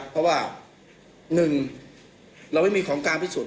เพราะว่าหนึ่งเราไม่มีของกางพิสูจน์